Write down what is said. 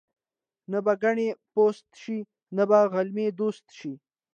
نه به کاڼې پوست شي، نه به غلیم دوست شي.